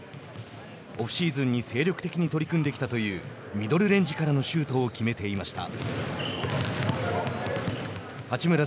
オフシーズンに精力的に取り組んできたというミドルレンジからのシュートを決めていました。